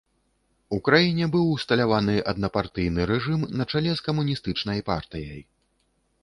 У краіне быў усталяваны аднапартыйны рэжым на чале з камуністычнай партыяй.